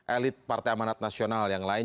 elit partai amanat nasional yang lain